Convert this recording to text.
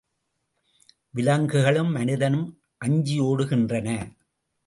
விலங்குகளும், மனிதனும் அஞ்சியோடுகின்றன.